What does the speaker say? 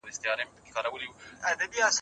دولتي ادارې باید پیاوړې سي.